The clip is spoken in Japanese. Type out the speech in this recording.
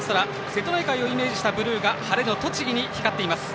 瀬戸内海をイメージしたブルーが晴れの栃木に光っています。